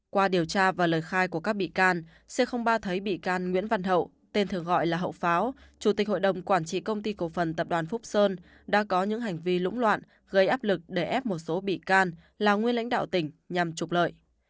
qua điều tra và lời khai của các bị can c ba thấy bị can nguyễn văn hậu tên thường gọi là hậu pháo chủ tịch hội đồng quản trị công ty cổ phần tập đoàn phúc sơn đã có những hành vi lũng loạn gây áp lực để ép một số bị can là nguyên lãnh đạo tỉnh nhằm trục lợi